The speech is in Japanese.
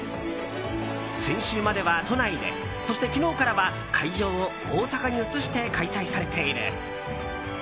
先週までは都内でそして昨日からは会場を大阪に移して開催されている。